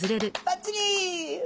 ばっちり！